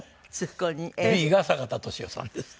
Ｂが坂田利夫さんです。